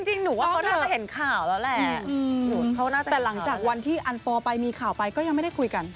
แต่หลังจากวันที่อัน๔ไปมีข่าวไปก็ยังไม่ได้คุยกัน